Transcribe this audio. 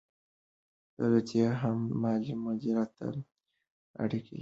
دولت هم مالي مدیریت ته اړتیا لري.